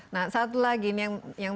nah satu lagi yang